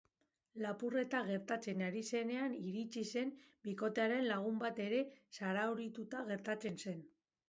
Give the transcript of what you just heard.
Lapurreta gertatzen ari zenean iritsi zen bikotearen lagun bat ere zaurituta gertatu zen.